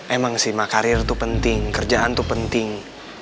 emang sih ma karir tuh penting kerjaan tuh penting